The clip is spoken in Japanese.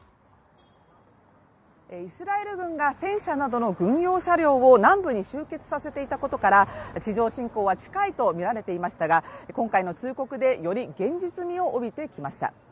イスラエル軍が戦車などの軍用車両を南部に集結させていたことから地上侵攻は近いとみられていましたが今回の通告でより現実味を帯びてきました。